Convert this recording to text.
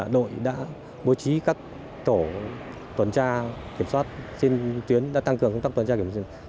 đội đã bố trí các tổ tuần tra kiểm soát trên tuyến đã tăng cường công tác tuần tra kiểm dịch